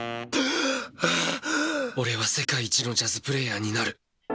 俺は世界一のジャズプレーヤ−になる。